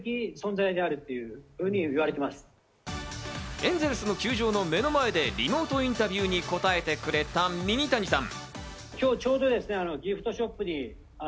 エンゼルスの球場の目の前でリモートインタビューに答えてくれたミニタニさん。